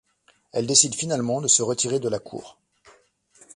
Elle décide finalement de se retirer de la cour.